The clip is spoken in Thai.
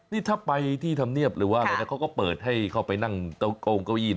นี่ถ้าไปที่ธัมเนียบหรือไง